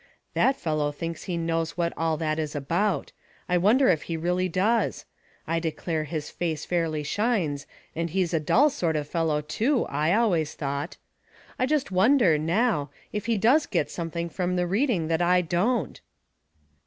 " That fellow thinks he knows what all that is about. I wonder if he really does ? I declare his face fairly shines, and he's a dull sort of fel low, too, 1 always thought. I just wonder, now, if he does get something from the reading that I don't?"